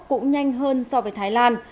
cũng nhanh hơn so với thái lan